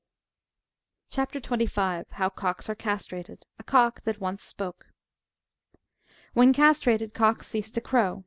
CHAP. 25. HOW COCKS ARE CASTRATED. A COCK THAT ONCE SPOKE. When castrated, cocks cease to crow.